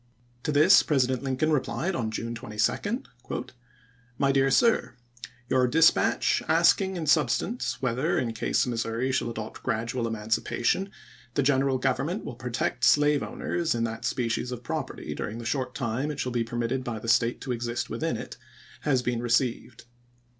To this President Lincoln replied on June 22d : My dear Sir : Your dispatch, asking in substance whether, in case Missouri shall adopt gradual emancipa tion, the General Government will protect slave owners in that species of property during the short time it shall be permitted by the State to exist within it, has been received.